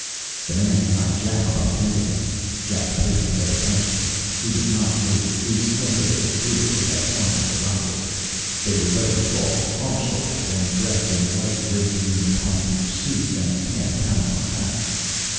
The man behind Jack bumped into him. Jack paid him no attention. He did not move. He squinted at the group who had come from the rocket. They were very tall, hump shouldered, and dressed in light grey green Palm Beach suits and tan Panama hats.